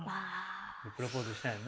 プロポーズしたんやな。